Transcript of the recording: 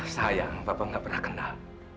sayang papa gak pernah kenal